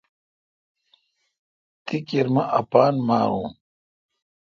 تی کیر مہ اپان ماروں۔